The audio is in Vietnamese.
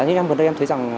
như em gần đây em thấy rằng